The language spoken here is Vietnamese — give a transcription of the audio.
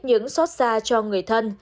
những xót xa cho người thân